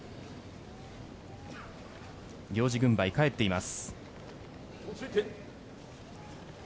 行司軍配、返っています。